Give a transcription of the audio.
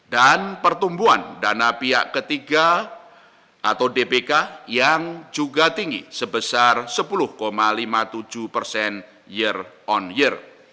dan pertumbuhan dana pihak ketiga atau dppk yang juga tinggi sebesar sepuluh lima puluh tujuh persen year on year